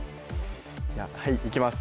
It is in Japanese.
はいいきます